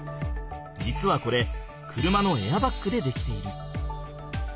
実はこれ車のエアバッグで出来ている。